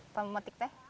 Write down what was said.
atau memetik teh